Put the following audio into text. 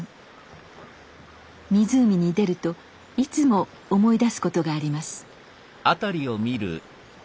湖に出るといつも思い出すことがあります。